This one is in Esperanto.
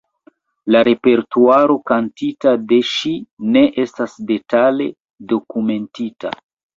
La repertuaro kantita de ŝi ne estas detale dokumentita.